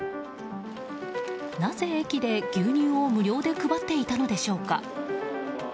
なぜ駅で牛乳を無料で配っていたのでしょうか。